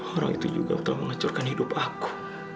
orang itu juga telah menghancurkan hidup aku